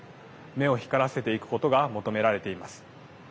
目を光らせていくことが求められています。